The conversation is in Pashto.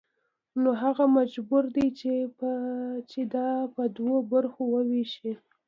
نو هغه مجبور دی چې دا په دوو برخو ووېشي